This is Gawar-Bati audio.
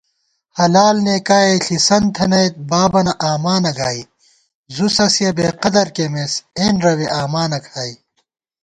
حلال نېکائے ݪِسَنت تھنَئیت بابَنہ آمانہ گائی * زُوسَسِیَہ بېقدر کېمېس اېَنرَوے آمانہ کھائی